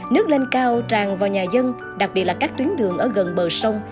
nước lên cao tràn vào nhà dân đặc biệt là các tuyến đường ở gần bờ sông